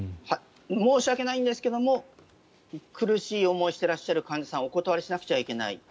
申し訳ないんですけども苦しい思いをしていらっしゃる患者さんをお断りしなくちゃいけない。